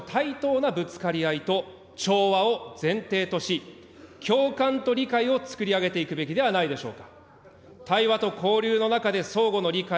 異なる価値の対等なぶつかり合いと調和を前提とし、共感と理解を作り上げていくべきではないでしょうか。